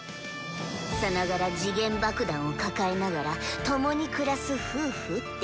さながら時限爆弾を抱えながら共に暮らす夫婦ってとこかしらん。